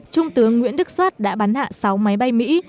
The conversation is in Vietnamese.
trung tướng nguyễn đức soát đã bắn hạ sáu máy bay mỹ